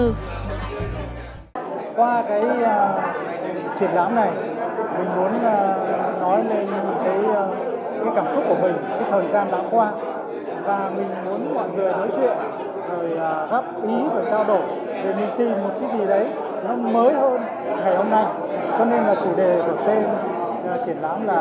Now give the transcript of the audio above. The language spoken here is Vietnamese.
rồi gặp ý và trao đổi để mình tìm một cái gì đấy mới hơn ngày hôm nay cho nên là chủ đề của tên triển lãm là đi tìm ngày mai nó có ý nghĩa là như thế